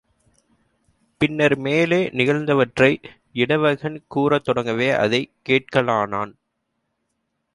பின்னர் மேலே நிகழ்ந்தவற்றை இடவகன் கூறத் தொடங்கவே அதைக் கேட்கலானான்.